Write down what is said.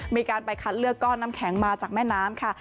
มีการไปคัดเลือกก้อนน้ำแข็งมาจากแม่น้ำค่ะ